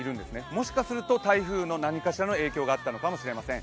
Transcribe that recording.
もしかすると台風の何かしらの影響があったのかもしれません。